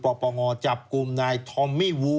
ปปงจับกลุ่มนายทอมมี่วู